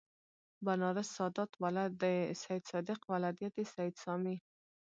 بنارس سادات ولد سیدصادق ولدیت سید سامي